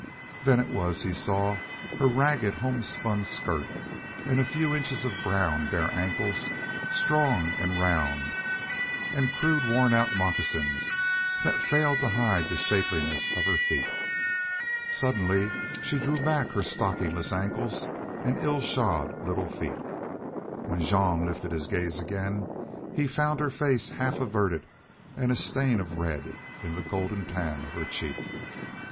Then it was he saw her ragged homespun skirt and a few inches of brown, bare ankles, strong and round, and crude worn out moccasins that failed to hide the shapeliness, of her feet. Suddenly she drew back her stockingless ankles and ill shod little feet. When Jean lifted his gaze again he found her face half averted and a stain of red in the gold tan of her cheek.